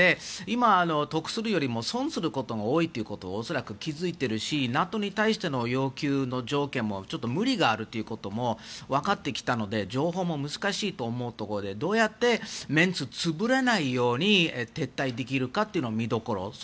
今、得するよりも損することが多いということを恐らく気付いているしＮＡＴＯに対しての要求の条件もちょっと無理があるということもわかってきたので譲歩も難しいと思うところでどうやってメンツが潰れないように撤退できるかというのが見どころ。